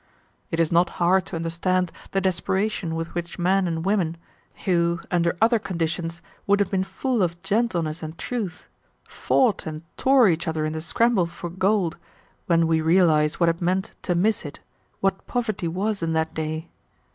"It is not hard to understand the desperation with which men and women, who under other conditions would have been full of gentleness and truth, fought and tore each other in the scramble for gold, when we realize what it meant to miss it, what poverty was in that day.